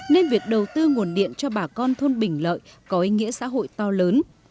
nên việc đầu tư nguồn điện cho bà con thôn bình lợi có ý nghĩa xã hội to lớn